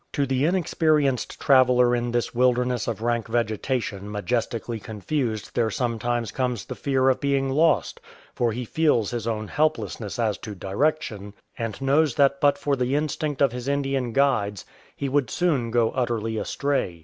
To the inex perienced traveller in this wilderness of rank vegetation majestically confused there sometimes comes the fear of being lost, for he feels his own helplessness as to direction, and knows that but for the instinct of his Indian guides he would soon go utterly astray.